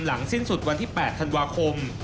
สิ้นสุดวันที่๘ธันวาคม